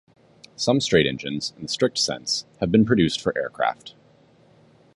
Some straight engines, in the strict sense, have been produced for aircraft.